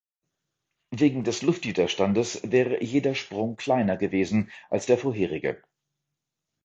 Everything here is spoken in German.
Wegen des Luftwiderstandes wäre jeder Sprung kleiner gewesen als der vorherige.